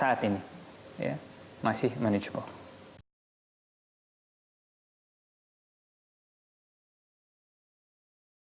yang ini masih dianggap kualitas